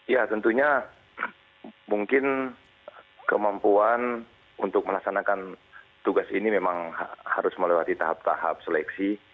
ya tentunya mungkin kemampuan untuk melaksanakan tugas ini memang harus melewati tahap tahap seleksi